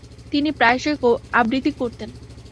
তিনি প্রায়শই আবৃত্তি করতেন।